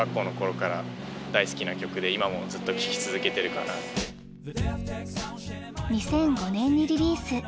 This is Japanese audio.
彼が作る２００５年にリリース。